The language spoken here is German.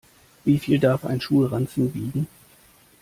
Wie viel darf ein Schulranzen wiegen?